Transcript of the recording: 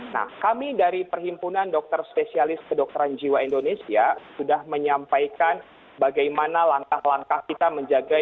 nah kami dari perhimpunan dokter spesialis kedokteran jiwa indonesia sudah menyampaikan bagaimana langkah langkah kita menjaga